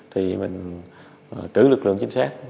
thì mình cử lực lượng chính xác